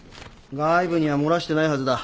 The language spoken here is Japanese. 外部には漏らしてないはずだ。